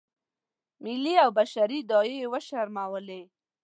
ملي او بشري داعیې یې وشرمولې.